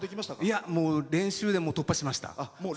練習で突破しました。